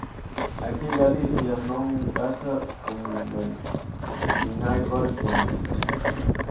Aquí Galicia non casa con ninguén, nin hai cores políticas.